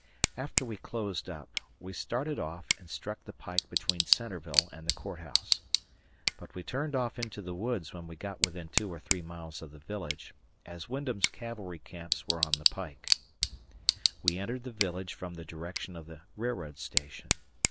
After we closed up, we started off and struck the pike between Centreville and the Court House. But we turned off into the woods when we got within two or three miles of the village, as Wyndham's cavalry camps were on the pike. We entered the village from the direction of the railroad station.